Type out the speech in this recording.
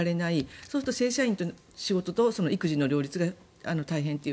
そうすると正社員の仕事と育児の両立が大変という。